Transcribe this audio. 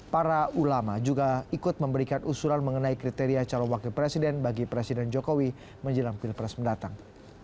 para ulama juga ikut memberikan usulan mengenai kriteria calon wakil presiden bagi presiden jokowi menjelang pilpres mendatang